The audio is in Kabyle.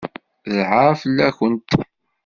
D lɛaṛ fell-awent!